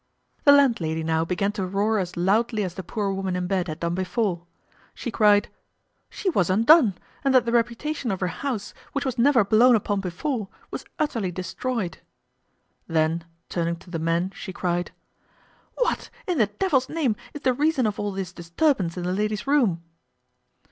The landlady now began to roar as loudly as the poor woman in bed had done before. She cried, "She was undone, and that the reputation of her house, which was never blown upon before, was utterly destroyed." Then, turning to the men, she cried, "What, in the devil's name, is the reason of all this disturbance in the lady's room?"